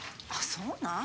そうなん？